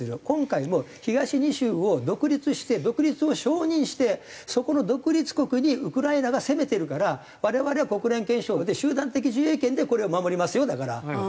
今回も東２州を独立して独立を承認してそこの独立国にウクライナが攻めてるから我々は国連憲章で集団的自衛権でこれを守りますよだから。